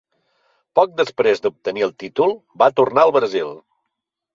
Poc després d'obtenir el títol, va tornar al Brasil.